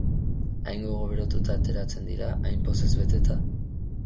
Hain gogo berotuta ateratzen dira, hain pozez beteta!